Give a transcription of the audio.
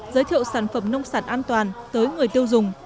giới thiệu sản phẩm nông sản an toàn tới người tiêu dùng